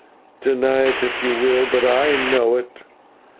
deny it if you will, but I know it.